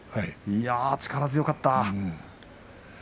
力強かった。